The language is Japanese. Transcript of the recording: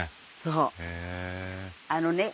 あのね